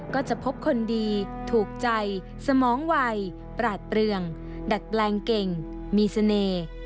ก็จะพบคนดีถูกใจสมองวัยปราดเปลืองดัดแปลงเก่งมีเสน่ห์